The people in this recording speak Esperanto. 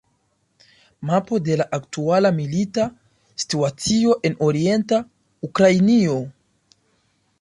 Mapo de la aktuala milita situacio en orienta Ukrainio.